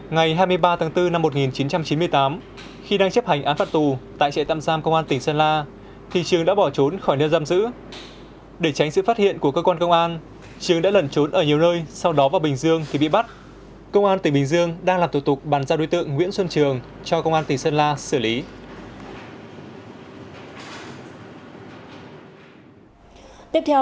ngày hai mươi ba tháng bốn năm một nghìn chín trăm chín mươi tám khi đang chấp hành án phạt tù tại trại tạm giam công an tỉnh sơn la thì trường đã bỏ trốn khỏi nơi giam giữ